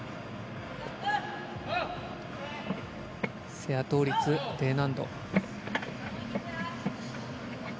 セア倒立、Ｄ難度。